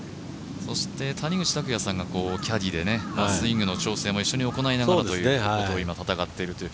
そして谷口拓也さんがキャディーでスイングの調整を一緒に行いながら今、戦っているという。